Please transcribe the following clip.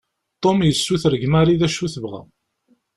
Tom yessuter deg Marie d acu i tebɣa.